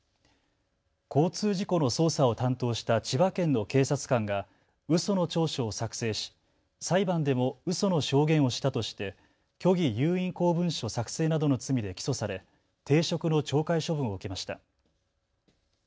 交通事故の捜査を担当した千葉県の警察官がうその調書を作成し裁判でもうその証言をしたとして虚偽有印公文書作成などの罪で起訴され停職の懲戒処分を受けました。